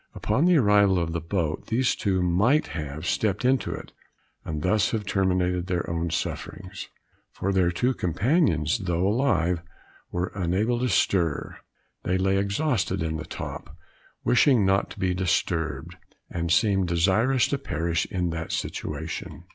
Upon the arrival of the boat these two might have stepped into it, and thus have terminated their own sufferings; for their two companions, though alive, were unable to stir; they lay exhausted on the top, wishing not to be disturbed, and seemed desirous to perish in that situation.